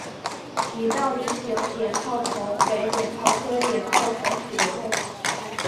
似倒梨形碘泡虫为碘泡科碘泡虫属的动物。